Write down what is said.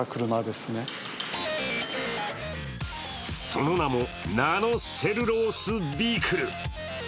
その名も、ナノ・セルロース・ビークル。